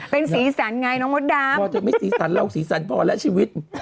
เป็นสีสันไงน้องมดดำพอเธอไม่สีสันเราสีสันพอและชีวิต